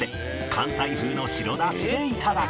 関西風の白だしでいただく